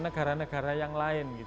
negara negara yang lain